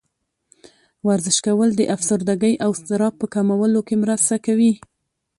ورزش کول د افسردګۍ او اضطراب په کمولو کې مرسته کوي.